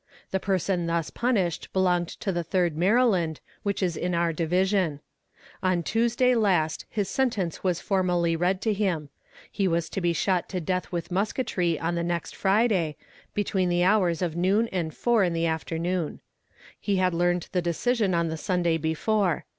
The person thus punished belonged to the Third Maryland, which is in our division. On Tuesday last his sentence was formally read to him. He was to be shot to death with musketry on the next Friday, between the hours of noon and four in the afternoon. He had learned the decision on the Sunday before.